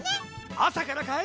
あさからかい？